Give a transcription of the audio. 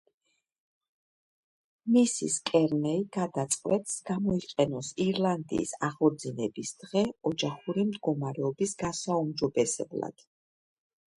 მისის კერნეი გადაწყვეტს გამოიყენოს ირლანდიის აღორძინების დღე, ოჯახური მდგომარეობის გასაუმჯობესებლად.